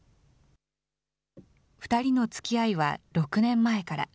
２人のつきあいは６年前から。